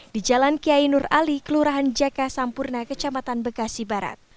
di jalan kiai nur ali kelurahan jaka sampurna kecamatan bekasi barat